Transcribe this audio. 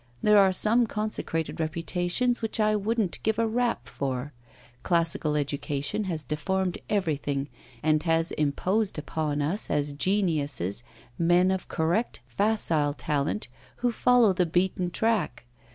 There are some consecrated reputations which I wouldn't give a rap for. Classical education has deformed everything, and has imposed upon us as geniuses men of correct, facile talent, who follow the beaten track.